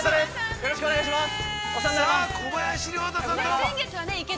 よろしくお願いします。